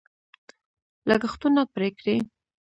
لګښتونه پرې کړي.